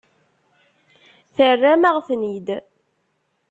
Terram-aɣ-ten-id.